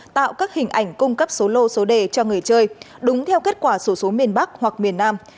tạo các hình ảnh cung cấp số lô số đề cho người chơi đúng theo kết quả số số miền bắc hoặc miền nam